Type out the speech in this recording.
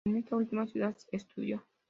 En esta última ciudad estudió.